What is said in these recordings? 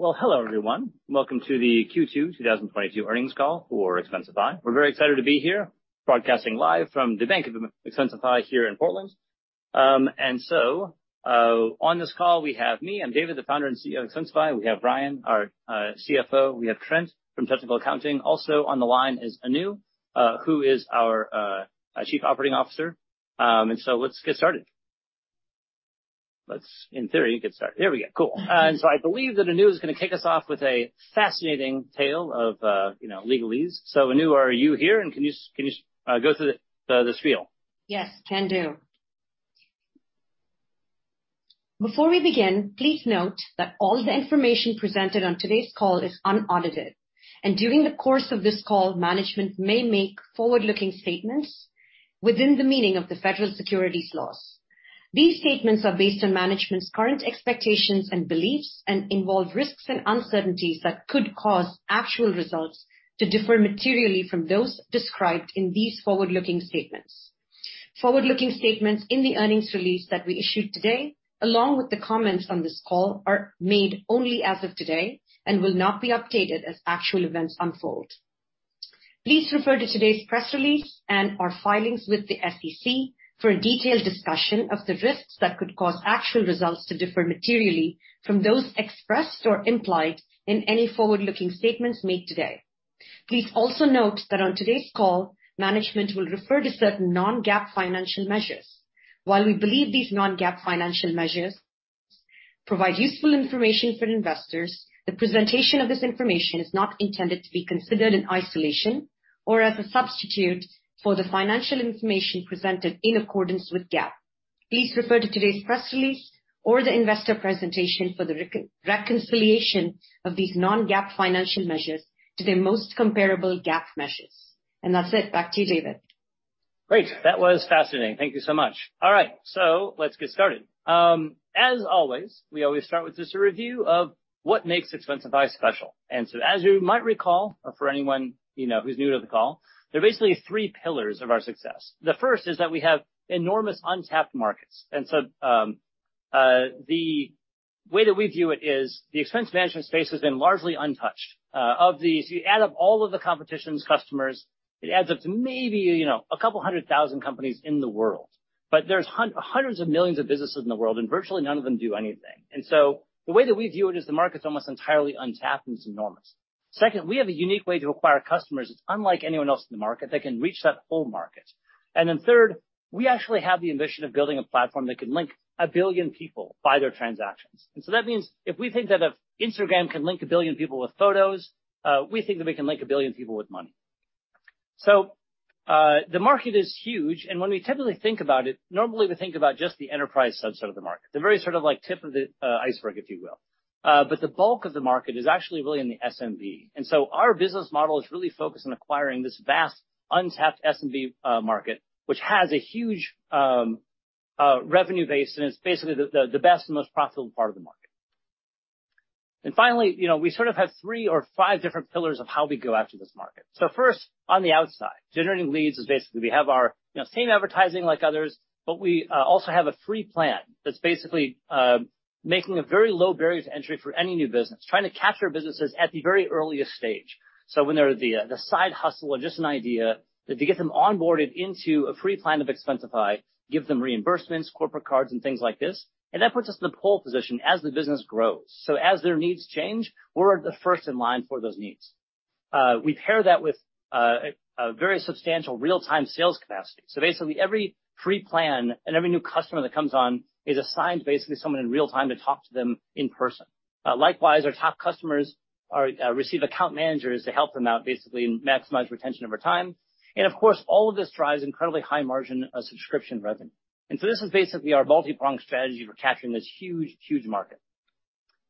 Well, hello, everyone. Welcome to the Q2 2022 Earnings Call for Expensify. We're very excited to be here broadcasting live from the heart of Expensify here in Portland. On this call we have me, I'm David, the Founder and CEO of Expensify. We have Ryan, our CFO. We have Trent from Technical Accounting. Also on the line is Anu, who is our Chief Operating Officer. Let's get started. Here we go. Cool. I believe that Anu is gonna kick us off with a fascinating tale of you know, legalese. Anu, are you here and can you go through the spiel? Yes, can do. Before we begin, please note that all the information presented on today's call is unaudited. During the course of this call, management may make forward-looking statements within the meaning of the federal securities laws. These statements are based on management's current expectations and beliefs and involve risks and uncertainties that could cause actual results to differ materially from those described in these forward-looking statements. Forward-looking statements in the earnings release that we issued today, along with the comments on this call, are made only as of today and will not be updated as actual events unfold. Please refer to today's press release and our filings with the SEC for a detailed discussion of the risks that could cause actual results to differ materially from those expressed or implied in any forward-looking statements made today. Please also note that on today's call, management will refer to certain non-GAAP financial measures. While we believe these non-GAAP financial measures provide useful information for investors, the presentation of this information is not intended to be considered in isolation or as a substitute for the financial information presented in accordance with GAAP. Please refer to today's press release or the investor presentation for the reconciliation of these non-GAAP financial measures to their most comparable GAAP measures. That's it. Back to you, David. Great. That was fascinating. Thank you so much. All right, so let's get started. As always, we always start with just a review of what makes Expensify special. As you might recall, or for anyone you know who's new to the call, there are basically three pillars of our success. The first is that we have enormous untapped markets. The way that we view it is the expense management space has been largely untouched. Of these, you add up all of the competition's customers, it adds up to maybe, you know, 200,000 companies in the world. There's hundreds of millions of businesses in the world, and virtually none of them do anything. The way that we view it is the market's almost entirely untapped and it's enormous. Second, we have a unique way to acquire customers. It's unlike anyone else in the market that can reach that whole market. Third, we actually have the ambition of building a platform that can link 1 billion people by their transactions. That means if we think that if Instagram can link 1 billion people with photos, we think that we can link 1 billion people with money. The market is huge, and when we typically think about it, normally we think about just the enterprise subset of the market, the very sort of like tip of the iceberg, if you will. The bulk of the market is actually really in the SMB. Our business model is really focused on acquiring this vast, untapped SMB market, which has a huge revenue base, and it's basically the best and most profitable part of the market. Finally, you know, we sort of have three or five different pillars of how we go after this market. First, on the outside, generating leads is basically we have our, you know, same advertising like others, but we also have a free plan that's basically making a very low barrier to entry for any new business, trying to capture businesses at the very earliest stage. When they're the the side hustle or just an idea, if you get them onboarded into a free plan of Expensify, give them reimbursements, corporate cards, and things like this, and that puts us in the pole position as the business grows. As their needs change, we're the first in line for those needs. We pair that with a very substantial real-time sales capacity. Basically, every free plan and every new customer that comes on is assigned basically someone in real time to talk to them in person. Likewise, our top customers receive account managers to help them out basically and maximize retention over time. Of course, all of this drives incredibly high margin of subscription revenue. This is basically our multi-pronged strategy for capturing this huge, huge market.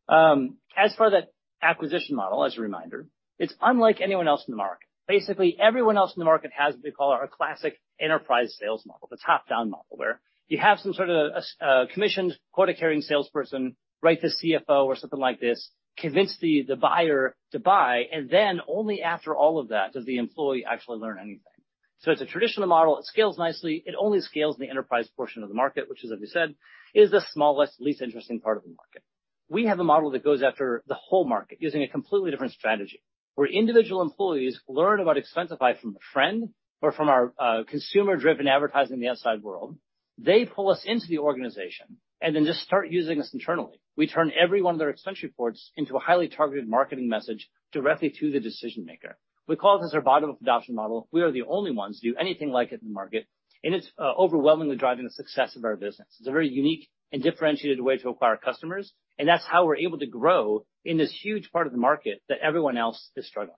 As for that acquisition model, as a reminder, it's unlike anyone else in the market. Basically everyone else in the market has what they call a classic enterprise sales model, the top-down model, where you have some sort of a commissioned quota-carrying salesperson reach the CFO or something like this, convince the buyer to buy, and then only after all of that does the employee actually learn anything. It's a traditional model. It scales nicely. It only scales in the enterprise portion of the market, which as I said, is the smallest, least interesting part of the market. We have a model that goes after the whole market using a completely different strategy, where individual employees learn about Expensify from a friend or from our consumer-driven advertising in the outside world. They pull us into the organization and then just start using us internally. We turn every one of their expense reports into a highly targeted marketing message directly to the decision maker. We call this our bottom-up adoption model. We are the only ones to do anything like it in the market, and it's overwhelmingly driving the success of our business. It's a very unique and differentiated way to acquire customers, and that's how we're able to grow in this huge part of the market that everyone else is struggling.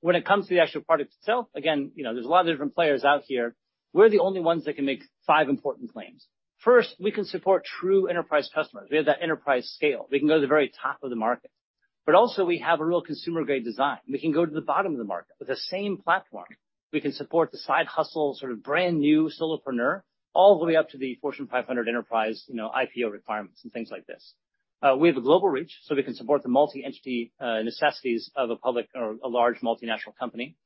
When it comes to the actual product itself, again, you know, there's a lot of different players out here. We're the only ones that can make five important claims. First, we can support true enterprise customers. We have that enterprise scale. We can go to the very top of the market. But also we have a real consumer-grade design. We can go to the bottom of the market with the same platform. We can support the side hustle, sort of brand new solopreneur, all the way up to the Fortune 500 enterprise, you know, IPO requirements and things like this. We have a global reach, so we can support the multi-entity necessities of a public or a large multinational company.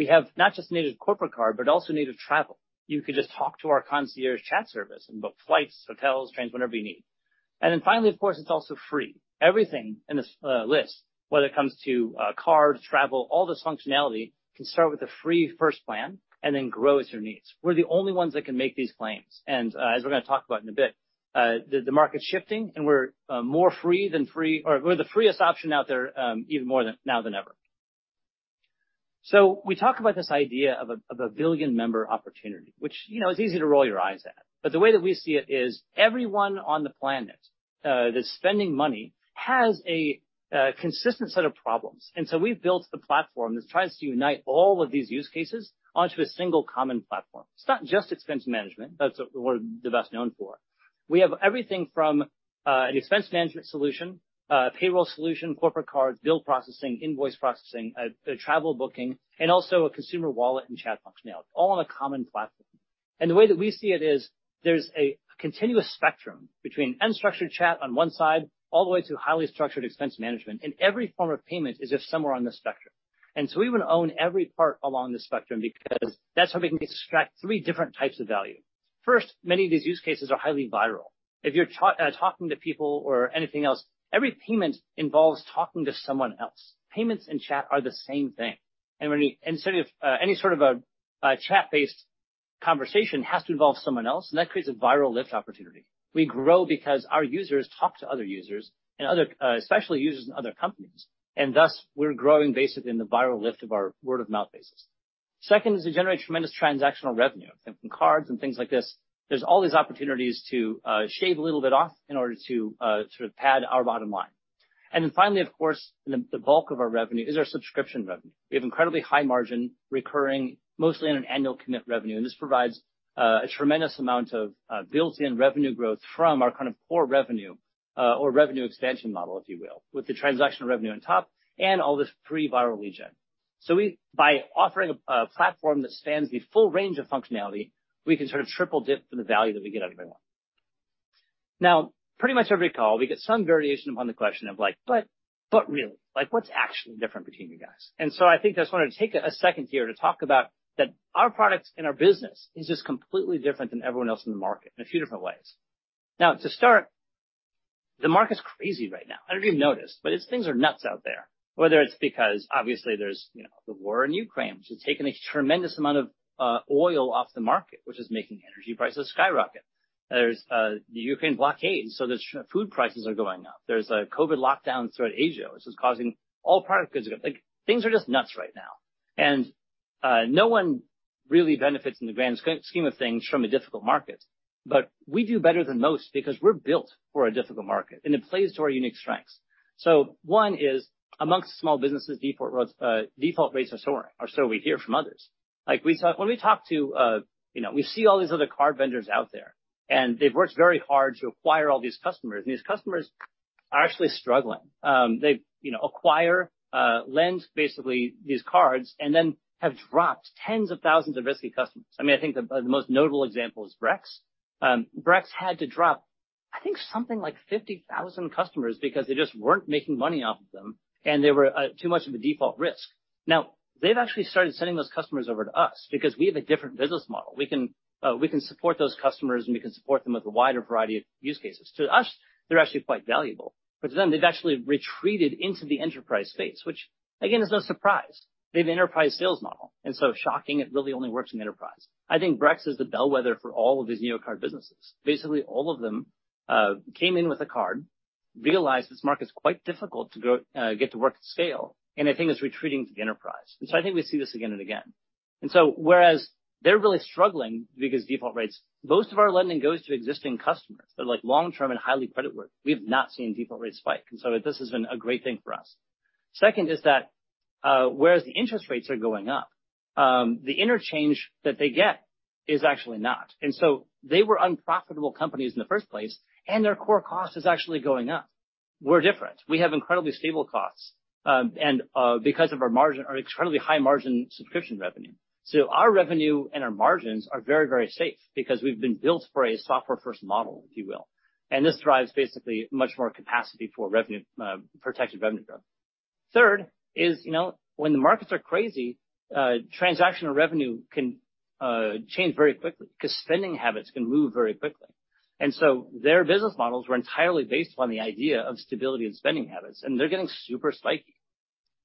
We have not just native corporate card, but also native travel. You could just talk to our Concierge chat service and book flights, hotels, trains, whatever you need. Then finally, of course, it's also free. Everything in this list, whether it comes to card, travel, all this functionality can start with a free first plan and then grow with your needs. We're the only ones that can make these claims, and as we're gonna talk about in a bit, the market's shifting and we're more free than free, or we're the freest option out there, even more than now than ever. We talk about this idea of 1 billion-member opportunity, which, you know, is easy to roll your eyes at. But the way that we see it is everyone on the planet that's spending money has a consistent set of problems. We've built a platform that tries to unite all of these use cases onto a single common platform. It's not just expense management. That's what we're the best known for. We have everything from an expense management solution, payroll solution, corporate cards, bill processing, invoice processing, travel booking, and also a consumer wallet and chat functionality, all on a common platform. The way that we see it is there's a continuous spectrum between unstructured chat on one side all the way to highly structured expense management, and every form of payment is just somewhere on this spectrum. We wanna own every part along the spectrum because that's how we can extract three different types of value. First, many of these use cases are highly viral. If you're talking to people or anything else, every payment involves talking to someone else. Payments and chat are the same thing. When any sort of a chat-based conversation has to involve someone else, and that creates a viral lift opportunity. We grow because our users talk to other users and other, especially users in other companies, and thus, we're growing basically on the viral lift of our word-of-mouth basis. Second is to generate tremendous transactional revenue from cards and things like this. There's all these opportunities to shave a little bit off in order to sort of pad our bottom line. Finally, of course, the bulk of our revenue is our subscription revenue. We have incredibly high margin recurring mostly on an annual commit revenue, and this provides a tremendous amount of built-in revenue growth from our kind of core revenue or revenue expansion model, if you will, with the transactional revenue on top and all this free viral lead gen. We, by offering a platform that spans the full range of functionality, we can sort of triple dip for the value that we get out of everyone. Now, pretty much every call, we get some variation upon the question of like, "But really, like, what's actually different between you guys?" I think I just wanted to take a second here to talk about that our products and our business is just completely different than everyone else in the market in a few different ways. Now, to start, the market's crazy right now. I don't know if you've noticed, but it's, things are nuts out there. Whether it's because obviously there's, you know, the war in Ukraine, which has taken a tremendous amount of oil off the market, which is making energy prices skyrocket. There's the Ukraine blockade, so there's food prices are going up. There's COVID lockdowns throughout Asia, which is causing all product goods to go. Like, things are just nuts right now. No one really benefits in the grand scheme of things from a difficult market, but we do better than most because we're built for a difficult market, and it plays to our unique strengths. One is among small businesses, default rates are soaring, or so we hear from others. When we talk to, you know, we see all these other card vendors out there, and they've worked very hard to acquire all these customers, and these customers are actually struggling. They, you know, acquire, lend basically these cards and then have dropped tens of thousands of risky customers. I mean, I think the most notable example is Brex. Brex had to drop, I think, something like 50,000 customers because they just weren't making money off of them, and they were too much of a default risk. Now, they've actually started sending those customers over to us because we have a different business model. We can support those customers, and we can support them with a wider variety of use cases. To us, they're actually quite valuable. To them, they've actually retreated into the enterprise space, which again, is no surprise. They have an enterprise sales model, and so shockingly it really only works in the enterprise. I think Brex is the bellwether for all of these neo-card businesses. Basically, all of them came in with a card, realized this market's quite difficult to grow, get to work at scale, and I think it's retreating to the enterprise. I think we see this again and again. Whereas they're really struggling because default rates, most of our lending goes to existing customers that are like long-term and highly creditworthy. We've not seen default rates spike. This has been a great thing for us. Second is that, whereas the interest rates are going up, the Interchange that they get is actually not. They were unprofitable companies in the first place, and their core cost is actually going up. We're different. We have incredibly stable costs, and because of our margin, our incredibly high-margin subscription revenue. Our revenue and our margins are very, very safe because we've been built for a software-first model, if you will. This drives basically much more capacity for revenue, protected revenue growth. Third is, you know, when the markets are crazy, transactional revenue can change very quickly 'cause spending habits can move very quickly. Their business models were entirely based on the idea of stability in spending habits, and they're getting super spiky.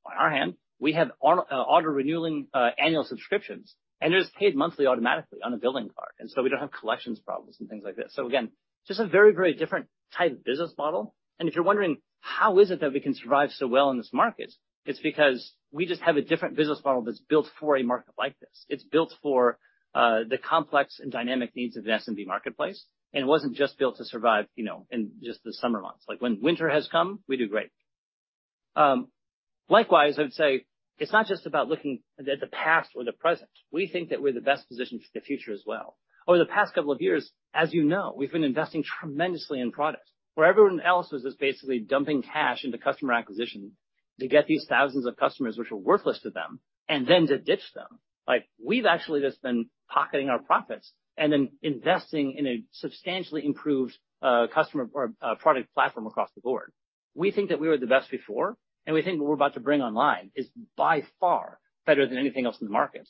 On our end, we have auto-renewing annual subscriptions, and it is paid monthly automatically on a billing card, and so we don't have collections problems and things like this. Again, just a very, very different type of business model, and if you're wondering how is it that we can survive so well in this market, it's because we just have a different business model that's built for a market like this. It's built for the complex and dynamic needs of the SMB marketplace, and it wasn't just built to survive, you know, in just the summer months. Like, when winter has come, we do great. Likewise, I would say it's not just about looking at the past or the present. We think that we're the best positioned for the future as well. Over the past couple of years, as you know, we've been investing tremendously in product. Where everyone else was just basically dumping cash into customer acquisition to get these thousands of customers which are worthless to them, and then to ditch them, like, we've actually just been pocketing our profits and then investing in a substantially improved product platform across the board. We think that we were the best before, and we think what we're about to bring online is by far better than anything else in the market.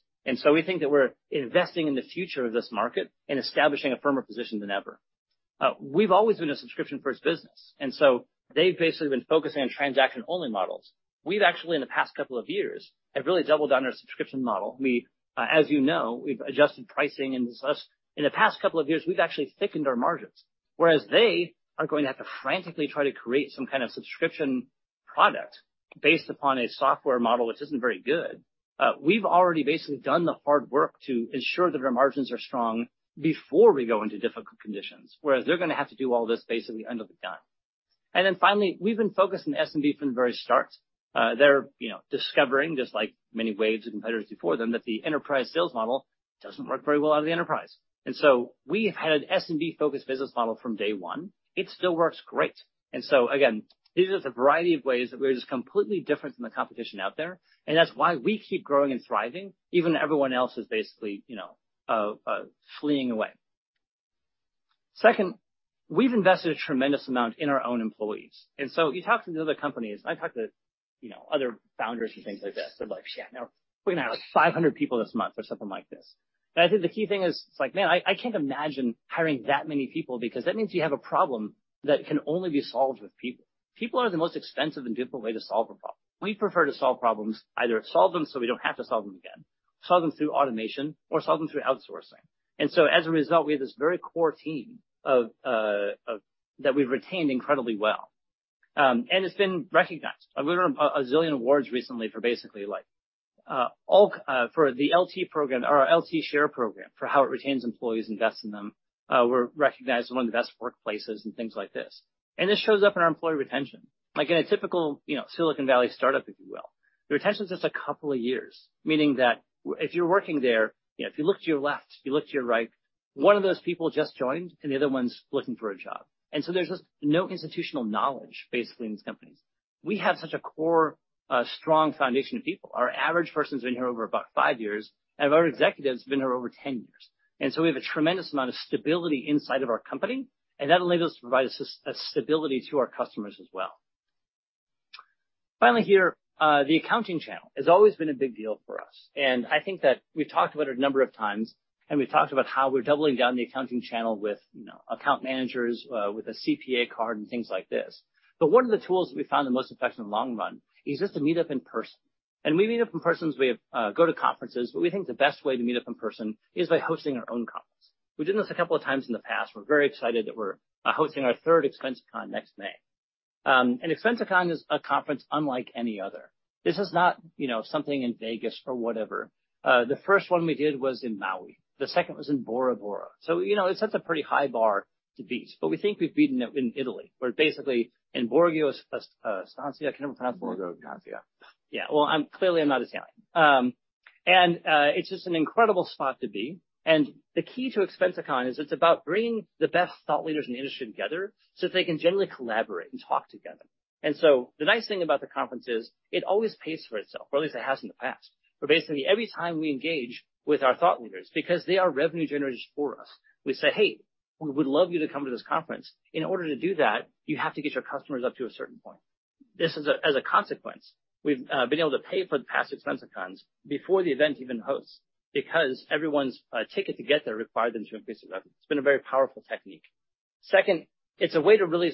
We think that we're investing in the future of this market and establishing a firmer position than ever. We've always been a subscription-first business, and so they've basically been focusing on transaction-only models. We've actually, in the past couple of years, have really doubled down on our subscription model. As you know, we've adjusted pricing and thus, in the past couple of years, we've actually thickened our margins. Whereas they are going to have to frantically try to create some kind of subscription product based upon a software model which isn't very good. We've already basically done the hard work to ensure that our margins are strong before we go into difficult conditions, whereas they're gonna have to do all this basically under the gun. Finally, we've been focused on SMB from the very start. They're, you know, discovering, just like many waves of competitors before them, that the enterprise sales model doesn't work very well outside the enterprise. We have had an SMB-focused business model from day one. It still works great. Again, these are just a variety of ways that we're just completely different than the competition out there. That's why we keep growing and thriving even when everyone else is basically, you know, fleeing away. Second, we've invested a tremendous amount in our own employees. You talk to these other companies. I've talked to, you know, other founders and things like this. They're like, "Yeah, no, we hired 500 people this month," or something like this. I think the key thing is it's like, man, I can't imagine hiring that many people because that means you have a problem that can only be solved with people. People are the most expensive and difficult way to solve a problem. We prefer to solve problems, either solve them so we don't have to solve them again, solve them through automation, or solve them through outsourcing. As a result, we have this very core team that we've retained incredibly well. It's been recognized. We won a zillion awards recently for basically the LT program or our LT Share program for how it retains employees, invests in them. We're recognized as one of the best workplaces and things like this. This shows up in our employee retention. Like in a typical, you know, Silicon Valley startup, if you will, the retention is just a couple of years, meaning that if you're working there, you know, if you look to your left, if you look to your right, one of those people just joined and the other one's looking for a job. There's just no institutional knowledge, basically, in these companies. We have such a core, strong foundation of people. Our average person's been here over about five years, and our executives have been here over 10 years. We have a tremendous amount of stability inside of our company, and that enables to provide us a stability to our customers as well. Finally here, the accounting channel has always been a big deal for us. I think that we've talked about it a number of times, and we've talked about how we're doubling down the accounting channel with, you know, account managers, with a CPA card and things like this. One of the tools that we found the most effective in the long run is just to meet up in person. We meet up in person as we go to conferences, but we think the best way to meet up in person is by hosting our own conference. We did this a couple of times in the past. We're very excited that we're hosting our third ExpensiCon next May. ExpensiCon is a conference unlike any other. This is not, you know, something in Vegas or whatever. The first one we did was in Maui. The second was in Bora Bora. You know, it sets a pretty high bar to beat, but we think we've beaten it in Italy, where basically in Borgo Egnazia. Can anyone pronounce Borgo Egnazia? Borgo Egnazia. Yeah. Well, I'm clearly not Italian. It's just an incredible spot to be. The key to ExpensiCon is it's about bringing the best thought leaders in the industry together so that they can generally collaborate and talk together. The nice thing about the conference is it always pays for itself, or at least it has in the past. Every time we engage with our thought leaders, because they are revenue generators for us, we say, "Hey, we would love you to come to this conference. In order to do that, you have to get your customers up to a certain point." As a consequence, we've been able to pay for the past ExpensiCons before the event even hosts because everyone's ticket to get there required them to increase their revenue. It's been a very powerful technique. Second, it's a way to really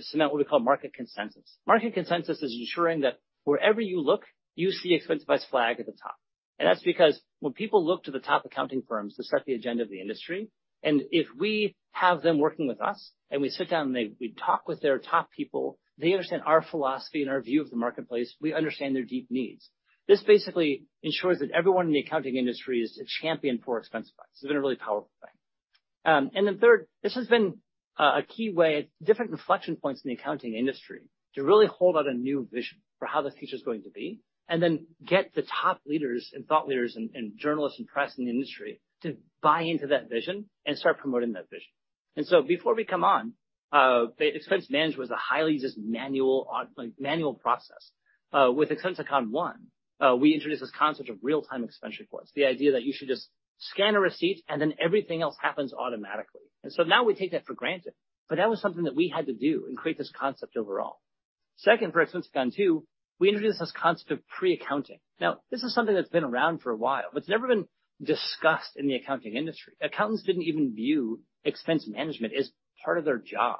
cement what we call market consensus. Market consensus is ensuring that wherever you look, you see Expensify's flag at the top. That's because when people look to the top accounting firms to set the agenda of the industry, and if we have them working with us, and we sit down, and we talk with their top people, they understand our philosophy and our view of the marketplace. We understand their deep needs. This basically ensures that everyone in the accounting industry is a champion for Expensify. This has been a really powerful thing. Third, this has been a key way at different reflection points in the accounting industry to really hold out a new vision for how the future is going to be, and then get the top leaders and thought leaders and journalists and press in the industry to buy into that vision and start promoting that vision. Before we came on, the expense management was a highly manual process. With ExpensiCon 1, we introduced this concept of real-time expense reports. The idea that you should just scan a receipt, and then everything else happens automatically. Now we take that for granted, but that was something that we had to do and create this concept overall. Second, for ExpensiCon 2, we introduced this concept of pre-accounting. Now, this is something that's been around for a while, but it's never been discussed in the accounting industry. Accountants didn't even view expense management as part of their job.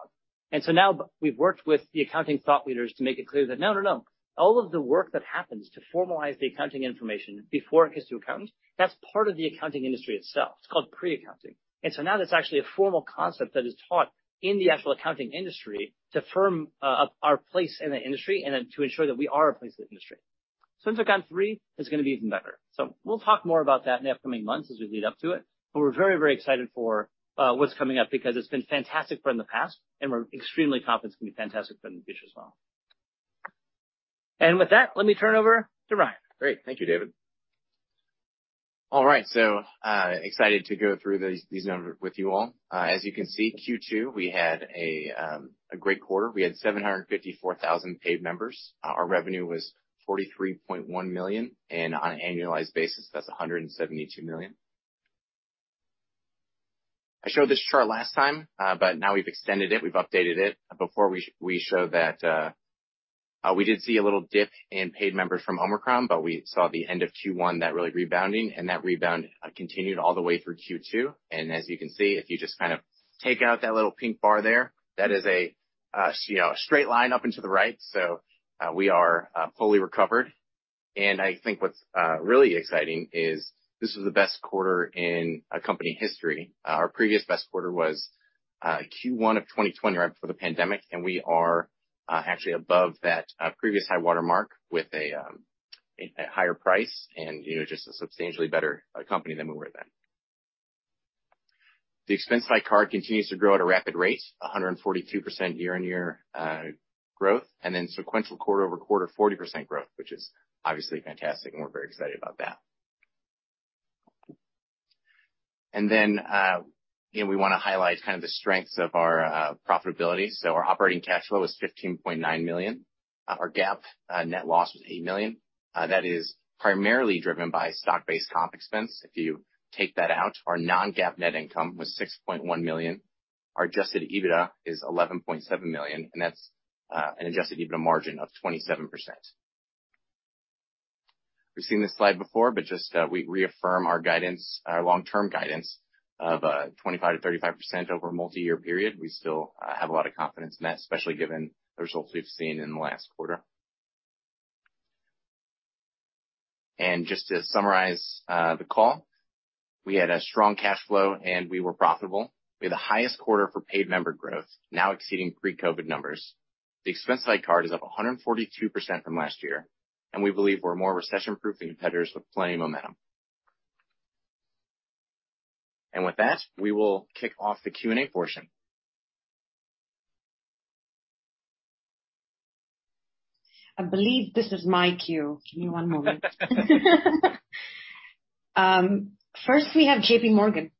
Now we've worked with the accounting thought leaders to make it clear that no, no, all of the work that happens to formalize the accounting information before it gets to accountants, that's part of the accounting industry itself. It's called Pre-accounting. Now that's actually a formal concept that is taught in the actual accounting industry to firm up our place in the industry and then to ensure that we are a place in the industry. ExpensiCon 3 is gonna be even better. We'll talk more about that in the upcoming months as we lead up to it. We're very, very excited for what's coming up because it's been fantastic for the past, and we're extremely confident it's gonna be fantastic for the future as well. With that, let me turn over to Ryan. Great. Thank you, David. All right. Excited to go through these numbers with you all. As you can see, Q2, we had a great quarter. We had 754,000 paid members. Our revenue was $43.1 million, and on an annualized basis, that's $172 million. I showed this chart last time, but now we've extended it. We've updated it. Before we showed that we did see a little dip in paid members from Omicron, but we saw the end of Q1, that really rebounding, and that rebound continued all the way through Q2. As you can see, if you just kind of take out that little pink bar there, that is, you know, a straight line up and to the right. We are fully recovered. I think what's really exciting is this is the best quarter in company history. Our previous best quarter was Q1 of 2020, right before the pandemic, and we are actually above that previous high watermark with a higher price and, you know, just a substantially better company than we were then. The Expensify Card continues to grow at a rapid rate, 142% year-on-year growth, and then sequential quarter-over-quarter, 40% growth, which is obviously fantastic, and we're very excited about that. We wanna highlight kind of the strengths of our profitability. Our operating cash flow was $15.9 million. Our GAAP net loss was $8 million. That is primarily driven by stock-based compensation expense. If you take that out, our non-GAAP net income was $6.1 million. Our adjusted EBITDA is $11.7 million, and that's an adjusted EBITDA margin of 27%. We've seen this slide before, but just we reaffirm our guidance, our long-term guidance of 25%-35% over a multi-year period. We still have a lot of confidence in that, especially given the results we've seen in the last quarter. Just to summarize the call, we had a strong cash flow, and we were profitable. We had the highest quarter for paid member growth, now exceeding pre-COVID numbers. The Expensify Card is up 142% from last year, and we believe we're more recession-proof than competitors with plenty of momentum. With that, we will kick off the Q&A portion. I believe this is my queue. Give me one moment. First we have J.P. Morgan.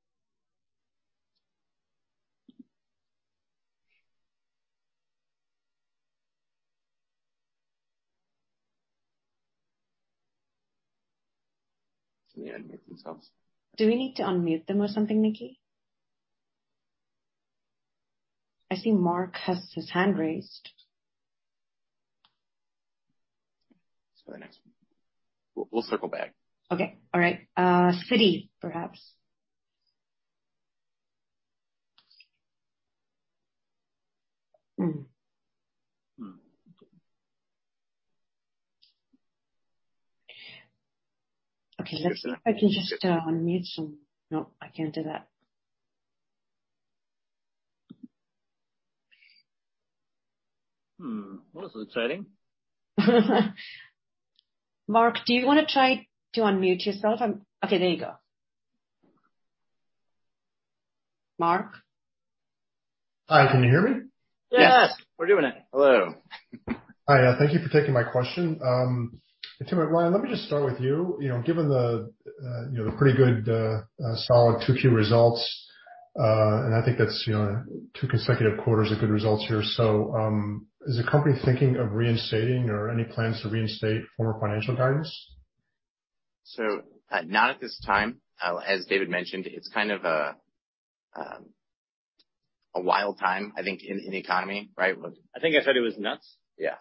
Can they unmute themselves? Do we need to unmute them or something, Niki? I see Mark has his hand raised. Let's go to the next one. We'll circle back. Okay. All right. Citi, perhaps. Okay. Let's see if I can just unmute someone. No, I can't do that. Well, this is exciting. Mark, do you wanna try to unmute yourself? Okay, there you go. Mark? Hi. Can you hear me? Yes. Yes. We're doing it. Hello. Hi. Thank you for taking my question. David or Ryan, let me just start with you. You know, given the pretty good, solid 2Q results, and I think that's, you know, two consecutive quarters of good results here. Is the company thinking of reinstating or any plans to reinstate former financial guidance? Not at this time. As David mentioned, it's kind of a wild time, I think, in economy, right? I think I said it was nuts. Yeah.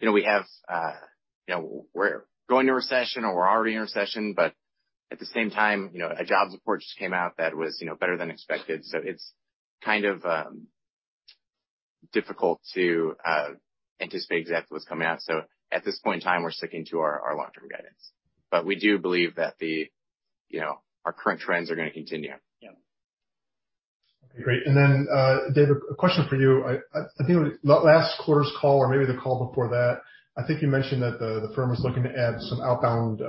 You know, we have you know, we're going to recession, or we're already in a recession, but at the same time, you know, a jobs report just came out that was you know, better than expected. It's kind of difficult to anticipate exactly what's coming out. At this point in time, we're sticking to our long-term guidance. We do believe that you know, our current trends are gonna continue. Yeah. Okay, great. David, a question for you. I think last quarter's call or maybe the call before that, I think you mentioned that the firm was looking to add some outbound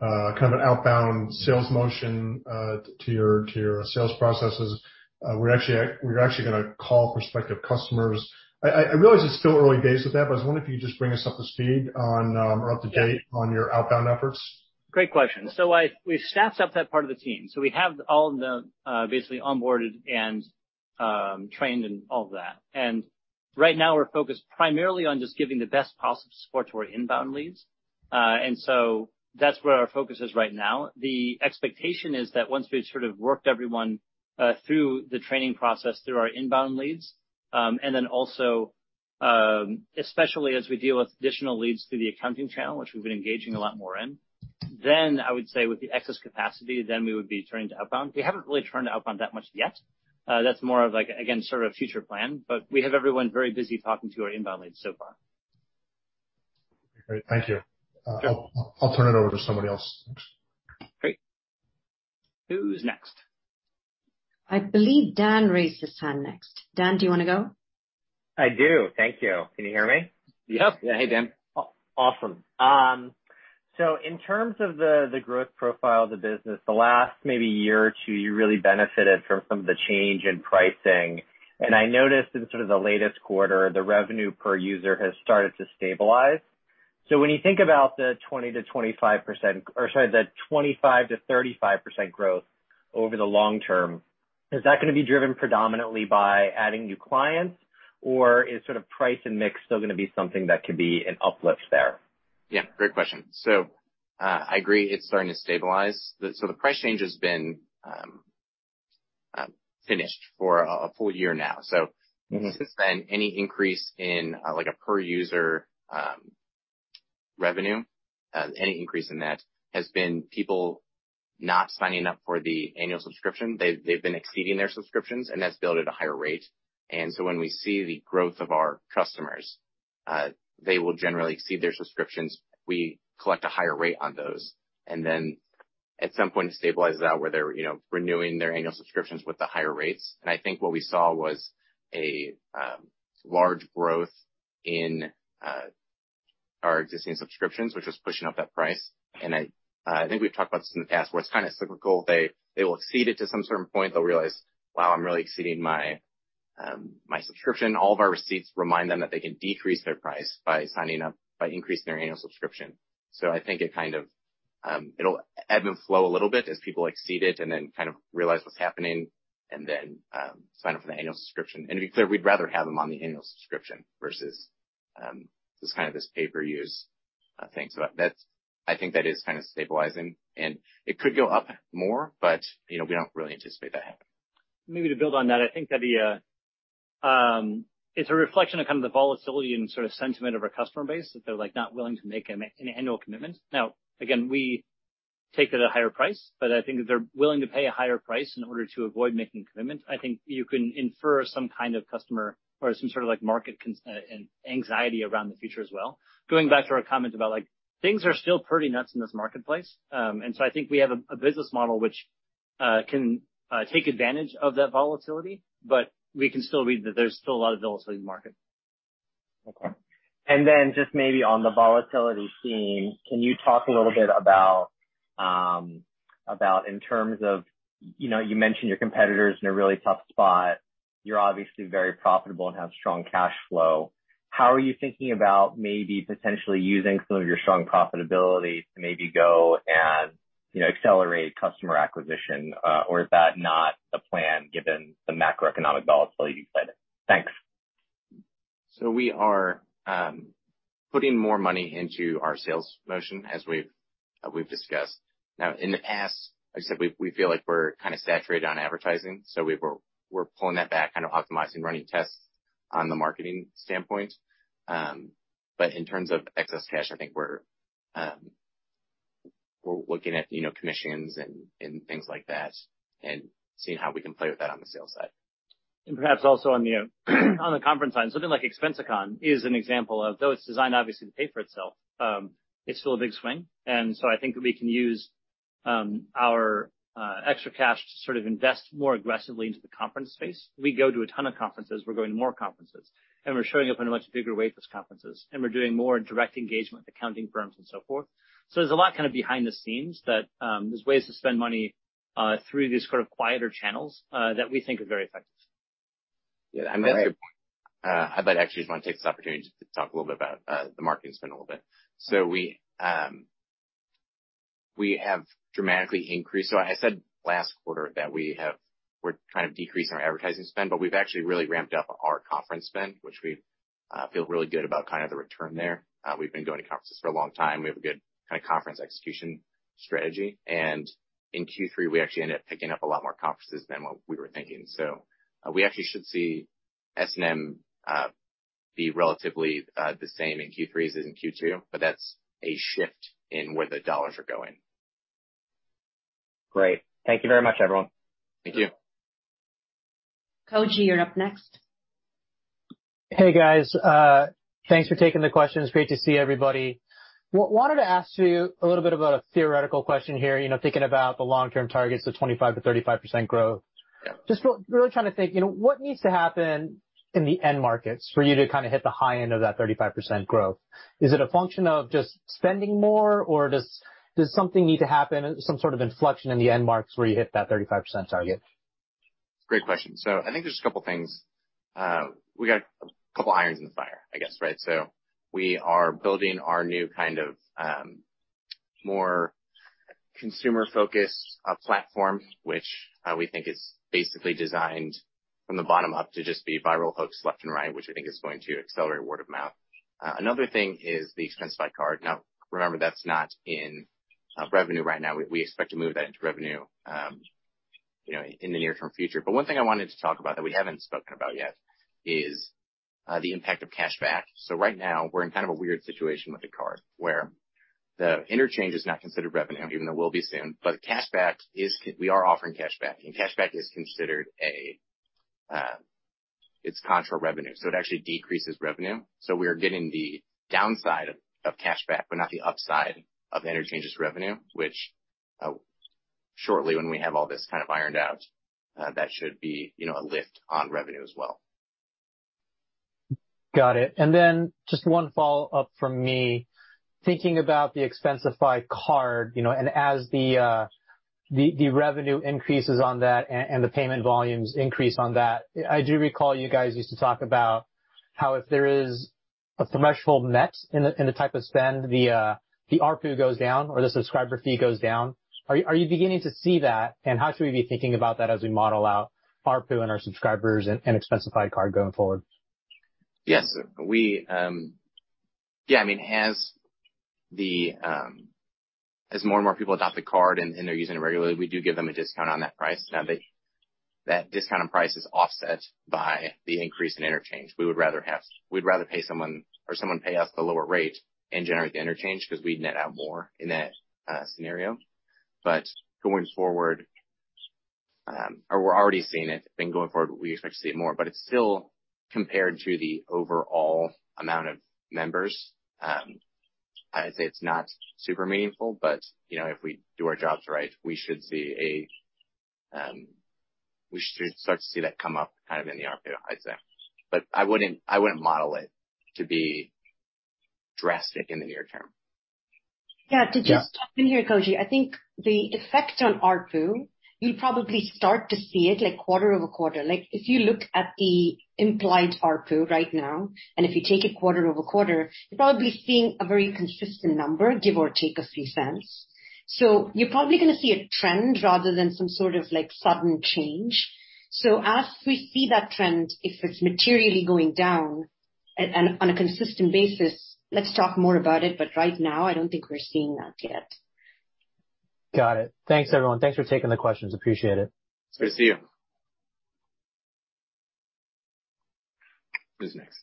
kind of an outbound sales motion to your sales processes. We're actually gonna call prospective customers. I realize it's still early days with that, but I was wondering if you could just bring us up to speed on or up to date on your outbound efforts. Great question. We've staffed up that part of the team. We have all of them, basically onboarded and trained and all of that. Right now we're focused primarily on just giving the best possible support to our inbound leads. That's where our focus is right now. The expectation is that once we've sort of worked everyone through the training process through our inbound leads, and then also, especially as we deal with additional leads through the accounting channel, which we've been engaging a lot more in, then I would say with the excess capacity, then we would be turning to outbound. We haven't really turned to outbound that much yet. That's more of like, again, sort of a future plan, but we have everyone very busy talking to our inbound leads so far. Great. Thank you. I'll turn it over to somebody else. Thanks. Great. Who's next? I believe Dan raised his hand next. Dan, do you wanna go? I do. Thank you. Can you hear me? Yep. Yeah. Hey, Dan. Awesome. In terms of the growth profile of the business, the last maybe year or two, you really benefited from some of the change in pricing. I noticed in sort of the latest quarter, the revenue per user has started to stabilize. When you think about the 20%-25%, or sorry, the 25%-35% growth over the long term, is that gonna be driven predominantly by adding new clients, or is sort of price and mix still gonna be something that could be an uplift there? Yeah, great question. I agree it's starting to stabilize. The price change has been finished for a full year now. Since then, any increase in, like a per user revenue, any increase in that has been people not signing up for the annual subscription. They've been exceeding their subscriptions, and that's billed at a higher rate. When we see the growth of our customers, they will generally exceed their subscriptions. We collect a higher rate on those, and then at some point it stabilizes out where they're, you know, renewing their annual subscriptions with the higher rates. I think we've talked about this in the past, where it's kinda cyclical. They will exceed it to some certain point. They'll realize, "Wow, I'm really exceeding my subscription." All of our receipts remind them that they can decrease their price by signing up by increasing their annual subscription. I think it kind of it'll ebb and flow a little bit as people exceed it and then kind of realize what's happening and then sign up for the annual subscription. To be clear, we'd rather have them on the annual subscription versus just kind of this pay-per-use thing. That's, I think that is kinda stabilizing. It could go up more, but you know, we don't really anticipate that happening. Maybe to build on that, I think that it's a reflection of kind of the volatility and sort of sentiment of our customer base, that they're like not willing to make an annual commitment. Now, again, we take it at a higher price, but I think if they're willing to pay a higher price in order to avoid making a commitment, I think you can infer some kind of customer or some sort of, like, market anxiety around the future as well. Going back to our comment about, like, things are still pretty nuts in this marketplace. I think we have a business model which can take advantage of that volatility, but we can still read that there's still a lot of volatility in the market. Okay. Just maybe on the volatility theme, can you talk a little bit about about in terms of, you know, you mentioned your competitor's in a really tough spot. You're obviously very profitable and have strong cash flow. How are you thinking about maybe potentially using some of your strong profitability to maybe go and, you know, accelerate customer acquisition? Or is that not the plan given the macroeconomic volatility you cited? Thanks. We are putting more money into our sales motion, as we've discussed. Now, in the past-- I said, we feel like we're kinda saturated on advertising, so we're pulling that back, kind of optimizing, running tests on the marketing standpoint. In terms of excess cash, I think we're looking at, you know, commissions and things like that, and seeing how we can play with that on the sales side. Perhaps also on the conference side, something like ExpensiCon is an example of, though it's designed obviously to pay for itself, it's still a big swing. I think that we can use our extra cash to sort of invest more aggressively into the conference space. We go to a ton of conferences. We're going to more conferences, and we're showing up in a much bigger way for these conferences, and we're doing more direct engagement with accounting firms and so forth. There's a lot kinda behind the scenes that there's ways to spend money through these sort of quieter channels that we think are very effective. Yeah, I mean, that's a good point. I'd actually just wanna take this opportunity to talk a little bit about the marketing spend a little bit. We have dramatically increased. I said last quarter that we're trying to decrease our advertising spend, but we've actually really ramped up our conference spend, which we feel really good about kind of the return there. We've been going to conferences for a long time. We have a good kind of conference execution strategy. In Q3, we actually ended up picking up a lot more conferences than what we were thinking. We actually should see S&M be relatively the same in Q3 as in Q2, but that's a shift in where the dollars are going. Great. Thank you very much, everyone. Thank you. Koji, you're up next. Hey, guys. Thanks for taking the questions. Great to see everybody. Wanted to ask you a little bit about a theoretical question here, you know, thinking about the long-term targets of 25%-35% growth. Just really trying to think, you know, what needs to happen in the end markets for you to kinda hit the high end of that 35% growth? Is it a function of just spending more, or does something need to happen, some sort of inflection in the end markets where you hit that 35% target? Great question. I think there's a couple things. We got a couple irons in the fire, I guess, right? We are building our new kind of, more consumer-focused, platform, which we think is basically designed from the bottom up to just be viral hooks left and right, which we think is going to accelerate word of mouth. Another thing is the Expensify Card. Now, remember, that's not in revenue right now. We expect to move that into revenue, you know, in the near term future. One thing I wanted to talk about that we haven't spoken about yet is the impact of cashback. Right now we're in kind of a weird situation with the card, where the interchange is not considered revenue, even though it will be soon. We are offering cashback, and cashback is considered a, it's contra revenue, so it actually decreases revenue. We are getting the downside of cashback, but not the upside of the interchange's revenue, which shortly, when we have all this kind of ironed out, that should be, you know, a lift on revenue as well. Got it. Just one follow-up from me. Thinking about the Expensify Card, you know, and as the revenue increases on that and the payment volumes increase on that, I do recall you guys used to talk about how if there is a threshold met in the type of spend where the ARPU goes down or the subscriber fee goes down. Are you beginning to see that, and how should we be thinking about that as we model out ARPU and our subscribers and Expensify Card going forward? Yes. Yeah, I mean, as more and more people adopt the card and they're using it regularly, we do give them a discount on that price. Now, that discount on price is offset by the increase in interchange. We'd rather pay someone or someone pay us the lower rate and generate the interchange 'cause we'd net out more in that scenario. Going forward, or we're already seeing it, then going forward, we expect to see it more, but it's still compared to the overall amount of members. I'd say it's not super meaningful, but you know, if we do our jobs right, we should start to see that come up kind of in the ARPU, I'd say. I wouldn't model it to be drastic in the near term. Yeah. To just jump in here, Koji. I think the effect on ARPU, you'll probably start to see it like quarter-over-quarter. Like, if you look at the implied ARPU right now, and if you take it quarter-over-quarter, you're probably seeing a very consistent number, give or take a few cents. You're probably gonna see a trend rather than some sort of, like, sudden change. As we see that trend, if it's materially going down on a consistent basis, let's talk more about it, but right now I don't think we're seeing that yet. Got it. Thanks, everyone. Thanks for taking the questions. Appreciate it. It's good to see you. Who's next?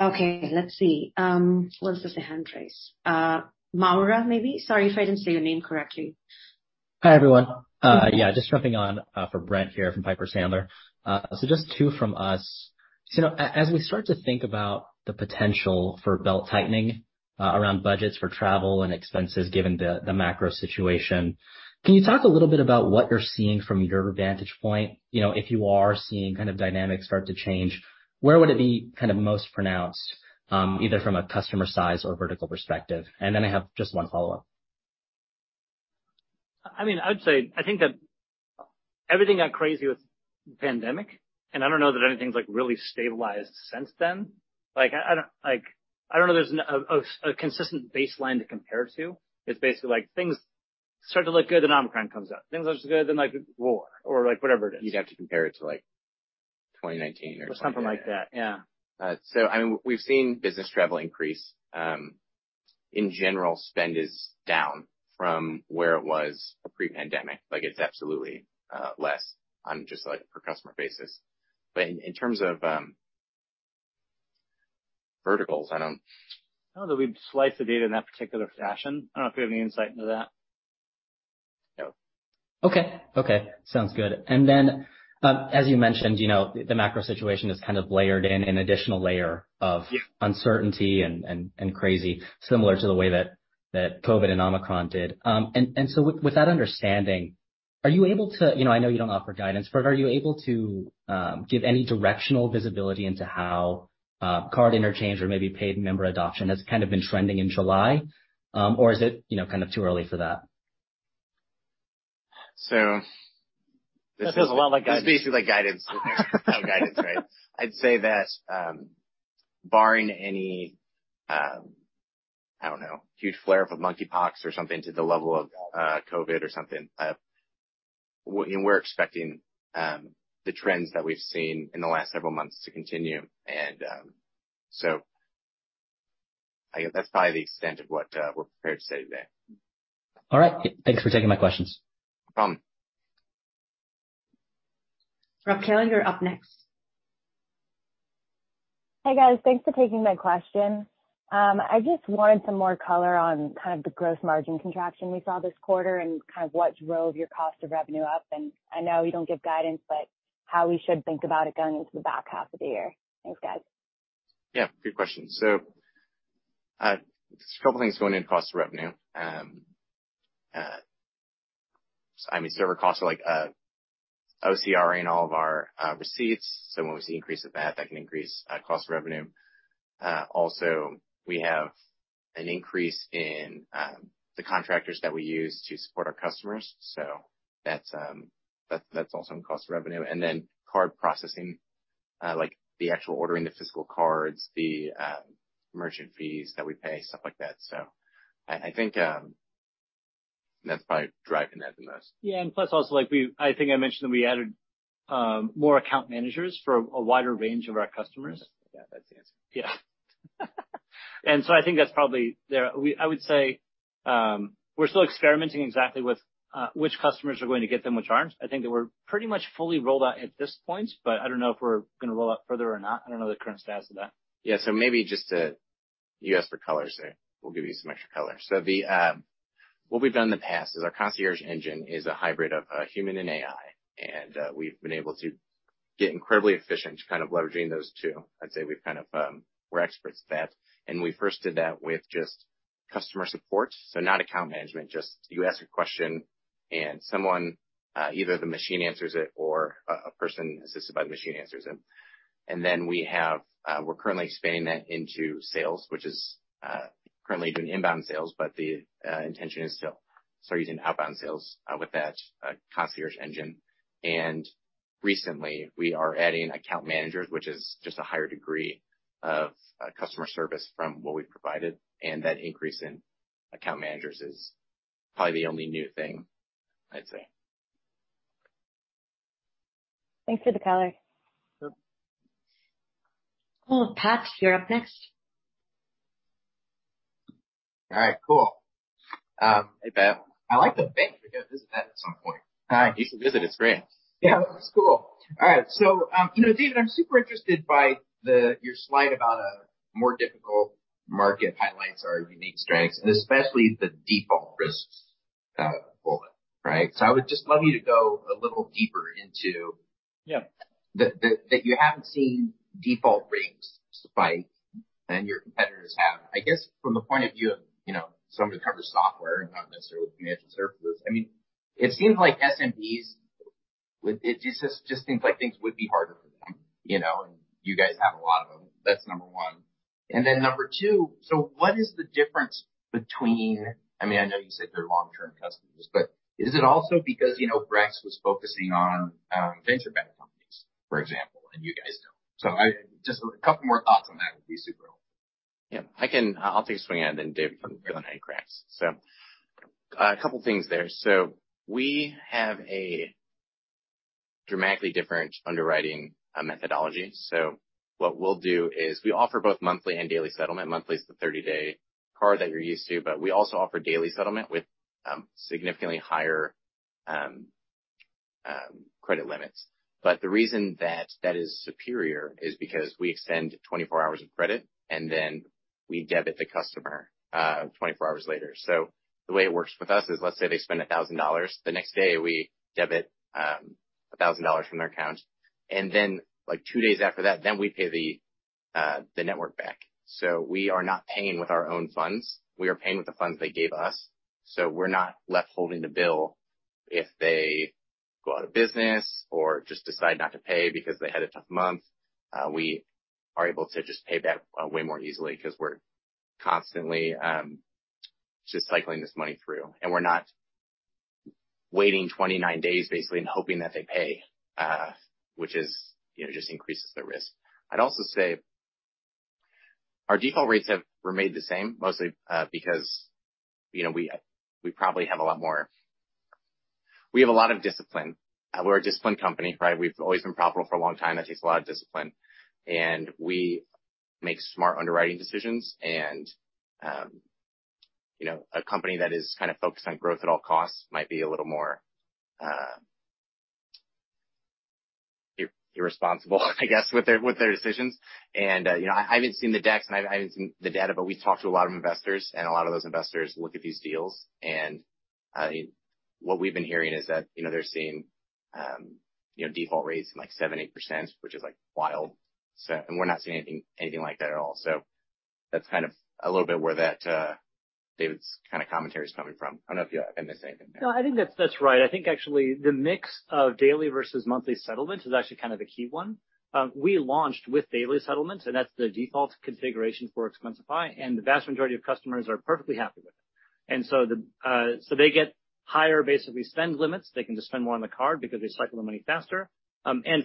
Okay, let's see. What does it say hand raise? [Maura], maybe. Sorry if I didn't say your name correctly. Hi, everyone. Just jumping on for Brent here from Piper Sandler. Just two from us. You know, as we start to think about the potential for belt-tightening around budgets for travel and expenses given the macro situation, can you talk a little bit about what you're seeing from your vantage point? You know, if you are seeing kind of dynamics start to change, where would it be kind of most pronounced, either from a customer size or vertical perspective? Then I have just one follow-up. I mean, I would say I think that everything got crazy with pandemic, and I don't know that anything's like really stabilized since then. Like, I don't know there's a consistent baseline to compare to. It's basically like things start to look good, then Omicron comes up. Things look good, then, like, war or, like, whatever it is. You'd have to compare it to, like, 2019 or something. Something like that. Yeah. I mean, we've seen business travel increase. In general, spend is down from where it was pre-pandemic. Like, it's absolutely less on just like per customer basis. In terms of verticals, I don't- I don't know that we'd slice the data in that particular fashion. I don't know if you have any insight into that. No. Okay, sounds good. As you mentioned, you know, the macro situation has kind of layered in an additional layer of uncertainty and crazy, similar to the way that COVID and Omicron did. With that understanding, you know, I know you don't offer guidance, but are you able to give any directional visibility into how card interchange or maybe paid member adoption has kind of been trending in July? Is it, you know, kind of too early for that? So this-- Feels a lot like guidance. This is basically like guidance in there. No guidance, right? I'd say that, barring any, I don't know, huge flare up of monkeypox or something to the level of, COVID or something, we're expecting, the trends that we've seen in the last several months to continue. I guess that's probably the extent of what we're prepared to say today. All right. Thanks for taking my questions. No problem. Rob Kelly, you're up next. Hey, guys. Thanks for taking my question. I just wanted some more color on kind of the gross margin contraction we saw this quarter and kind of what drove your cost of revenue up. I know you don't give guidance, but how we should think about it going into the back half of the year? Thanks, guys. Yeah, good question. There's a couple things going into cost of revenue. I mean, server costs are like, OCRing all of our receipts, so when we see increase of that can increase cost of revenue. Also, we have an increase in the contractors that we use to support our customers. That's also in cost of revenue. Card processing, like the actual ordering the physical cards, the merchant fees that we pay, stuff like that. I think that's probably driving that the most. Yeah. Plus also, like, I think I mentioned that we added more account managers for a wider range of our customers. Yeah, that's the answer. Yeah. I think that's probably there. I would say, we're still experimenting exactly with which customers are going to get them, which aren't. I think that we're pretty much fully rolled out at this point, but I don't know if we're gonna roll out further or not. I don't know the current status of that. Yeah. Maybe just to. You asked for colors there. We'll give you some extra color. What we've done in the past is our Concierge engine is a hybrid of human and AI, and we've been able to get incredibly efficient to kind of leveraging those two. I'd say we're experts at that. We first did that with just customer support, so not account management, just you ask a question and someone either the machine answers it or a person assisted by the machine answers it. We're currently expanding that into sales, which is currently doing inbound sales, but the intention is to start using outbound sales with that Concierge engine. Recently we are adding account managers, which is just a higher degree of customer service from what we've provided. That increase in account managers is probably the only new thing I'd say. Thanks for the color. Sure. Cool. Patch, you're up next. All right, cool. Hey, Bev. I like the bank. We gotta visit that at some point. All right. You should visit. It's great. Yeah, it looks cool. All right. You know, David, I'm super interested by your slide about a more difficult market highlights our unique strengths, and especially the default risks bullet, right? I would just love you to go a little deeper into-- That you haven't seen default rates spike, and your competitors have. I guess from the point of view of, you know, someone who covers software and not necessarily financial services, I mean, it seems like SMBs, it just seems like things would be harder for them, you know, and you guys have a lot of them. That's number one. Number two, what is the difference between. I mean, I know you said they're long-term customers, but is it also because, you know, Brex was focusing on venture-backed companies, for example, and you guys don't. Just a couple more thoughts on that would be super helpful. I'll take a swing at it, and then David can build on any cracks. A couple things there. We have a dramatically different underwriting methodology. What we'll do is we offer both monthly and daily settlement. Monthly is the 30-day card that you're used to, but we also offer daily settlement with significantly higher credit limits. But the reason that is superior is because we extend 24 hours of credit, and then we debit the customer 24 hours later. The way it works with us is, let's say they spend $1,000. The next day, we debit $1,000 from their account. And then, like, two days after that, we pay the network back. We are not paying with our own funds. We are paying with the funds they gave us. We're not left holding the bill if they go out of business or just decide not to pay because they had a tough month. We are able to just pay back way more easily 'cause we're constantly just cycling this money through. We're not waiting 29 days basically and hoping that they pay, which is, you know, just increases the risk. I'd also say our default rates have remained the same, mostly, because, you know, we have a lot of discipline. We're a disciplined company, right? We've always been profitable for a long time. That takes a lot of discipline. We make smart underwriting decisions. You know, a company that is kinda focused on growth at all costs might be a little more irresponsible, I guess, with their decisions. You know, I haven't seen the decks, and I haven't seen the data, but we've talked to a lot of investors, and a lot of those investors look at these deals. What we've been hearing is that, you know, they're seeing default rates in, like, 7%-8%, which is, like, wild. We're not seeing anything like that at all. That's kind of a little bit where that David's kinda commentary is coming from. I don't know if I missed anything there. No, I think that's right. I think actually the mix of daily versus monthly settlement is actually kind of a key one. We launched with daily settlements, and that's the default configuration for Expensify, and the vast majority of customers are perfectly happy with it. They get higher basically spend limits. They can just spend more on the card because they cycle the money faster.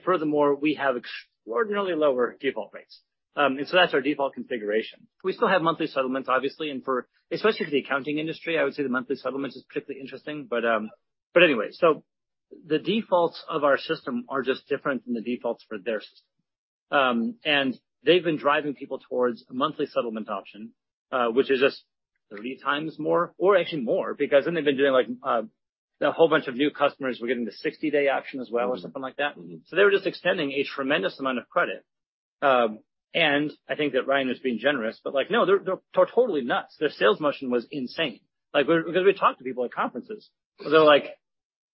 Furthermore, we have extraordinarily lower default rates. That's our default configuration. We still have monthly settlements, obviously, and especially for the accounting industry, I would say the monthly settlements is particularly interesting. Anyway, so the defaults of our system are just different than the defaults for their system. They've been driving people towards a monthly settlement option, which is just 3x more or actually more, because then they've been doing, like, a whole bunch of new customers were getting the 60-day option as well or something like that. They were just extending a tremendous amount of credit. I think that Ryan was being generous, but, like, no, they're totally nuts. Their sales motion was insane. Like, because we talked to people at conferences. They're like,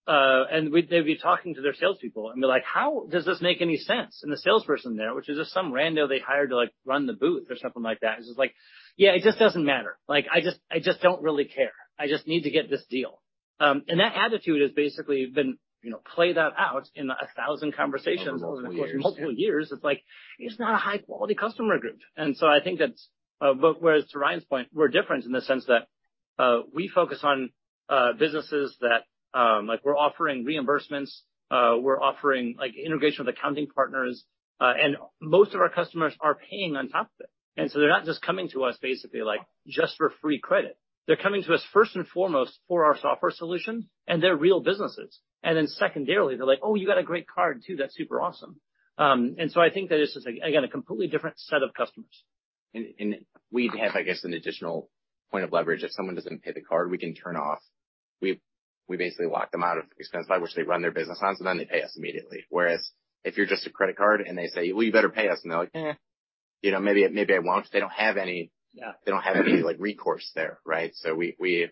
and they'd be talking to their salespeople, and they're like, "How does this make any sense?" And the salesperson there, which is just some rando they hired to, like, run the booth or something like that, is just like, "Yeah, it just doesn't matter. Like, I just don't really care. I just need to get this deal." That attitude has basically been, you know, play that out in a thousand conversations over, of course, multiple years. It's like, it's not a high quality customer group. I think that's, but whereas to Ryan's point, we're different in the sense that, we focus on, businesses that, like we're offering reimbursements, we're offering like integration with accounting partners, and most of our customers are paying on top of it. They're not just coming to us basically, like, just for free credit. They're coming to us first and foremost for our software solution and their real businesses. Then secondarily, they're like, "Oh, you got a great card too. That's super awesome." I think that it's just, again, a completely different set of customers. We have, I guess, an additional point of leverage. If someone doesn't pay the card, we can turn off. We basically lock them out of Expensify, which they run their business on, so then they pay us immediately. Whereas if you're just a credit card and they say, "Well, you better pay us." They're like, "Eh. You know, maybe I won't." They don't have any, like, recourse there, right? We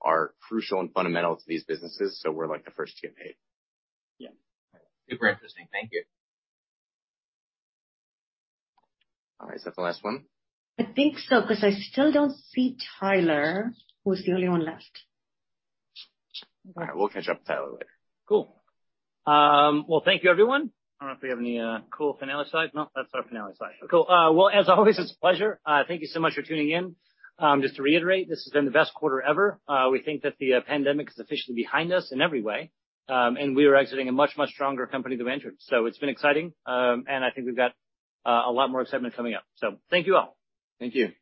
are crucial and fundamental to these businesses, so we're like the first [G&A]. Super interesting. Thank you. All right. Is that the last one? I think so, 'cause I still don't see Tyler, who's the only one left. All right. We'll catch up with Tyler later. Cool. Well, thank you everyone. I don't know if we have any cool finale slides. No, that's our finale slide. Cool. Well, as always, it's a pleasure. Thank you so much for tuning in. Just to reiterate, this has been the best quarter ever. We think that the pandemic is officially behind us in every way. We are exiting a much, much stronger company than we entered. It's been exciting, and I think we've got a lot more excitement coming up. Thank you all. Thank you.